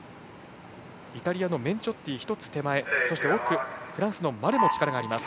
イタリアのメンチョッティフランスのマレも力があります。